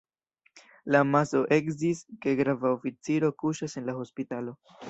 La amaso eksciis, ke grava oficiro kuŝas en la hospitalo.